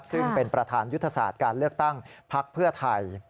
ซึ่งเป็นประธานยุทธศาสตร์การเลือกตั้งพักเพื่อไทย